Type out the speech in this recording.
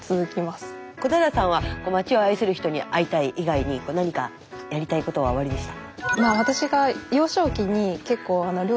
小平さんは町を愛する人に会いたい以外に何かやりたいことはおありでした？